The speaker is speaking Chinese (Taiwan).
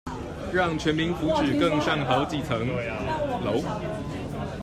讓全民福祉更上好幾層樓